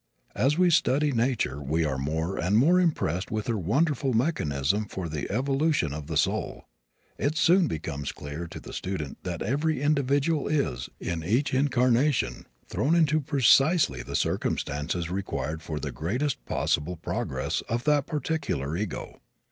As we study nature we are more and more impressed with her wonderful mechanism for the evolution of the soul. It soon becomes clear to the student that every individual is, in each incarnation, thrown into precisely the circumstances required for the greatest possible progress of that particular ego.